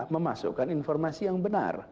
memasukkan informasi yang benar